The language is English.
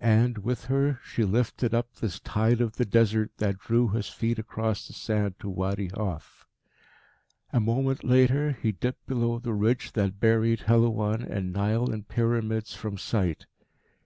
And, with her, she lifted up this tide of the Desert that drew his feet across the sand to Wadi Hof. A moment later he dipped below the ridge that buried Helouan and Nile and Pyramids from sight.